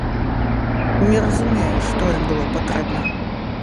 Не разумею, што ім было патрэбна.